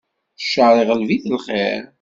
Cceṛ, iɣleb-it lxiṛ.